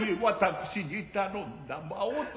私に頼んだ間男。